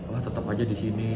wah tetap aja di sini